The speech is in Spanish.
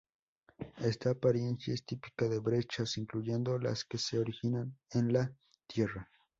Esta apariencia es típica de brechas, incluyendo las que se originan en la Tierra.